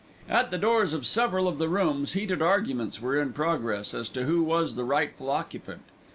At the doors of several of the rooms heated arguments were in progress as to who was the rightful occupant.